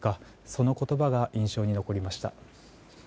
その言葉が印象に残りました。